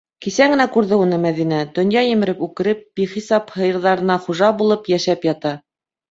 Кисә генә күрҙе уны Мәҙинә, донъя емереп үкереп, бихисап һыйырҙарына хужа булып, йәшәп ята.